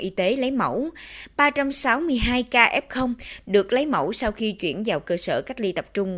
y tế lấy mẫu ba trăm sáu mươi hai ca f được lấy mẫu sau khi chuyển vào cơ sở cách ly tập trung